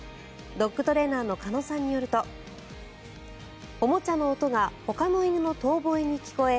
ドッグトレーナーの鹿野さんによるとおもちゃの音がほかの犬の遠ぼえに聞こえ